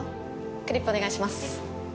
クリップお願いします。